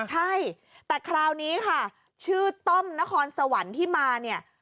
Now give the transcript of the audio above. ใช่แต่คราวนี้ค่ะชื่อต้อมนครสวรรค์ที่มาเนี่ย